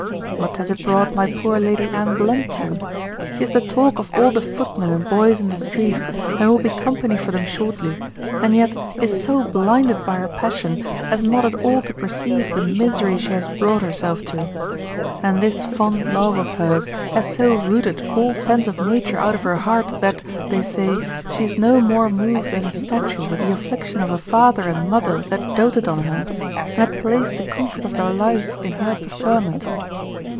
What has it brought my poor Lady Anne Blunt to? She is the talk of all the footmen and boys in the street, and will be company for them shortly, and yet is so blinded by her passion as not at all to perceive the misery she has brought herself to; and this fond love of hers has so rooted all sense of nature out of her heart, that, they say, she is no more moved than a statue with the affliction of a father and mother that doted on her, and had placed the comfort of their lives in her preferment.